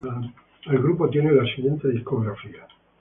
El grupo tiene la siguiente discografía.